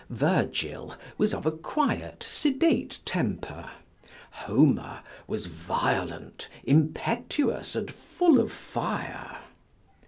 Virgil was of a quiet, sedate temper; Homer was violent, impetuous, and full of fire.